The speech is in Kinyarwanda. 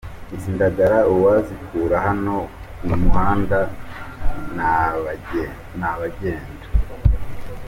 Izi ndagara uwazikura hano ku muhanda nyabagendwa.